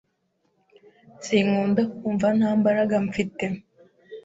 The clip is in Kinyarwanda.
Sinkunda kumva nta mbaraga mfite.